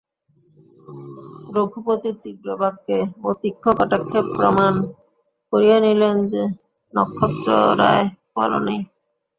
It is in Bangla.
রঘুপতি তীব্র বাক্যে ও তীক্ষ্ণ কটাক্ষে প্রমাণ করিয়া দিলেন যে, নক্ষত্ররায় ভালো নাই।